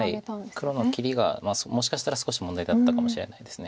黒の切りがもしかしたら少し問題だったかもしれないです。